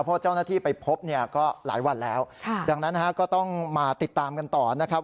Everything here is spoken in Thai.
เพราะเจ้าหน้าที่ไปพบเนี่ยก็หลายวันแล้วดังนั้นนะฮะก็ต้องมาติดตามกันต่อนะครับ